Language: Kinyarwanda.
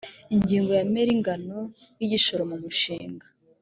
ingingo ya mer ingano y igishoro mumushinga